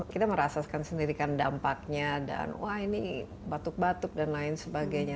kita merasakan sendiri kan dampaknya dan wah ini batuk batuk dan lain sebagainya